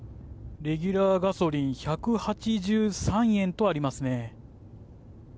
レギュラーガソリン１８３円とありますね。